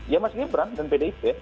ya mas gibran dan pdip